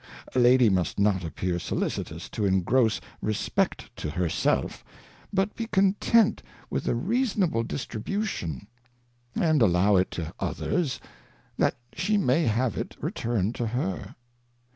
A Lady must not appear soUicitous to ingross Respect to her selfj but be content with a reasonable Distribution, PRIDE. 43 Distribution, and allow it to others, that she may have it returned to her.